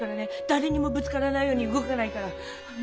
だれにもぶつからないように動かないから。